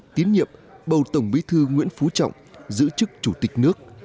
tiến nhiệm bầu tổng bí thư nguyễn phú trọng giữ chức chủ tịch nước